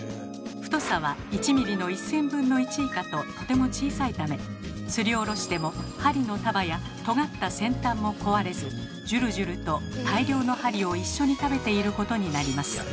太さは１ｍｍの１，０００分の１以下ととても小さいためすりおろしても針の束やとがった先端も壊れずじゅるじゅると大量の針を一緒に食べていることになります。